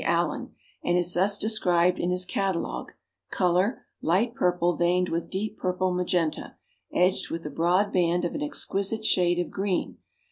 Allen, and is thus described in his catalogue: "Color, light purple veined with deep purple magenta, edged with a broad band of an exquisite shade of green.